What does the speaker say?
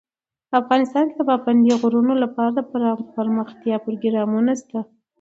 افغانستان کې د پابندي غرونو لپاره دپرمختیا پروګرامونه شته.